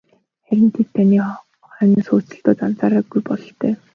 Харин тэд таны хойноос хөөцөлдөөд анзаараагүй бололтой.